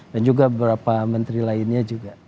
dan juga beberapa menteri lainnya